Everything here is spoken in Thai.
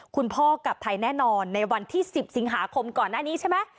คุณพ่อกลับไทยแน่นอนในวันที่๑๐สิงหาคมก่อนหน้านี้ใช่ไหม